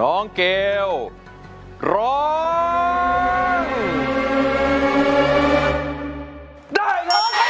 น้องเกลร้องได้ครับ